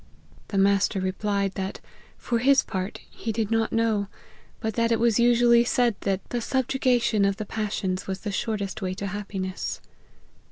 The master re LIFE OF HENRY MARTYN. . 149 plied, that * for his part, he did not know, but that it was usually said that the subjugation of the pas sions was the shortest way to happiness.'